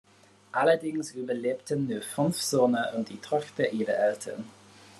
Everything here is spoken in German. Allerdings überlebten nur fünf Söhne und die Tochter ihre Eltern.